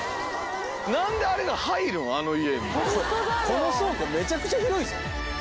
この倉庫めちゃくちゃ広いぞ。